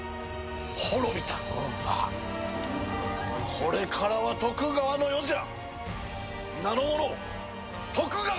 これからは徳川の世じゃ。